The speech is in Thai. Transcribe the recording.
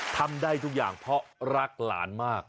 ทำได้ทุกอย่างเพราะรักหลานมาก